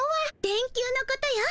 電球のことよ。